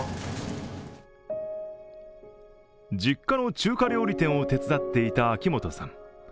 実家の中華料理店を手伝っていた秋元さん。